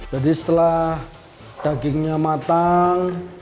jadi setelah dagingnya matang